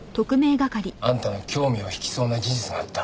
あんたの興味を引きそうな事実があった。